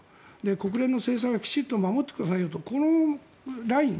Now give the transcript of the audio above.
国連の制裁はきちんと守ってくださいよというこのライン